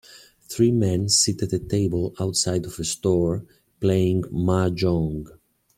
Three men sit at a table outside of a store, playing Mahjong.